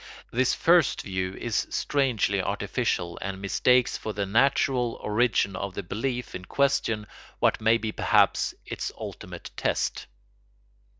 This first view is strangely artificial and mistakes for the natural origin of the belief in question what may be perhaps its ultimate test.